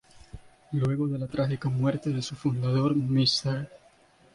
Luego de la trágica muerte de su fundador Mr.